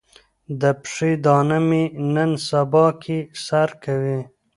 د پښې دانه مې نن سبا کې سر کوي.